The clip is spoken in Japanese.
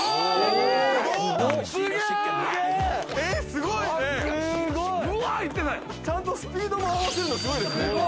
すごい！ちゃんとスピードも合わせるのすごいですね。